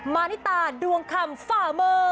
มานิตาดวงคำฝ่าเมอร์